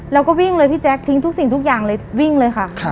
แล้วก็วิ่งเลยพี่แจ๊คทิ้งทุกสิ่งทุกอย่างเลยวิ่งเลยค่ะ